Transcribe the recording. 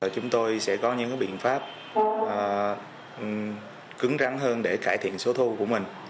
chúng tôi sẽ có những biện pháp cứng rắn hơn để cải thiện số thu của mình